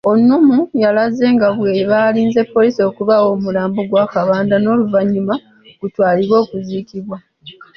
Onumu yalaze nga bwe balinze poliisi okubawa omulambo gwa Kabanda n'oluvannyuma gutwalibwe okuziiikibwa.